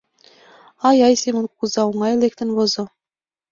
Ай-ай, Семон кугыза оҥай лектын возо.